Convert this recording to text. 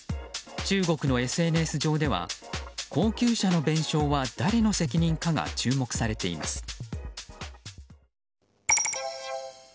中国のＳＮＳ上では高級車の弁償は誰の責任かが注目されています。